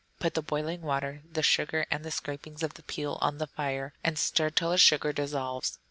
Put the boiling water, the sugar, and the scrapings of the peel on the fire, and still till the sugar dissolves.